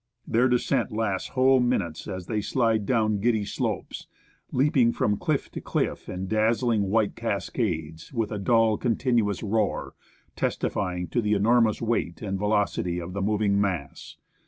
Their descent lasts whole minutes as they slide down giddy slopes, leaping from cliff to cliff in dazzling white cascades, with a dull, continuous roar, testifying to the enormous weight and velocity of the moving mass.